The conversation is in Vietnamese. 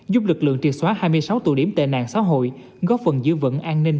giúp lực lượng triệt xóa hai mươi sáu tụ điểm tệ nạn xã hội góp phần giữ vững an ninh